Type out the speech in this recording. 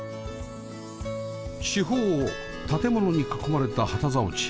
四方を建物に囲まれた旗竿地